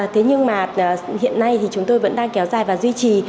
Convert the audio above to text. thế nhưng mà hiện nay thì chúng tôi vẫn đang kéo dài và duy trì